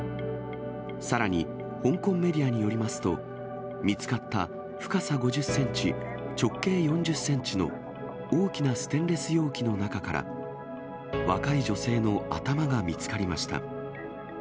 さらに、香港メディアによりますと、見つかった深さ５０センチ、直径４０センチの大きなステンレス容器の中から、若い女性の頭が見つかりました。